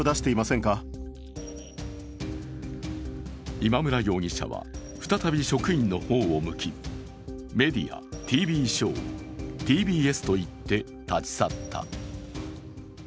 今村容疑者は再び職員の方を向き、メディア、ＴＶショー、ＴＢＳと言って立ち去った。